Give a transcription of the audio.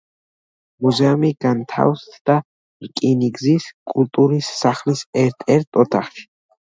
მუზეუმი განთავსდა რკინიგზის კულტურის სახლის ერთ-ერთ ოთახში.